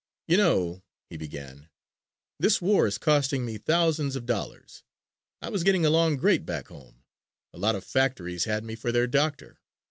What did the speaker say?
"You know," he began, "this war is costing me thousands of dollars. I was getting along great back home. A lot of factories had me for their doctor.